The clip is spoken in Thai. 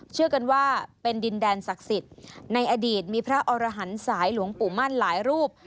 เชื่อกันว่าเป็นดินแดนศักดิ์สิทธิ์ในอดีตมีพระอรหันสายหลวงปู่มั่นหลายรูป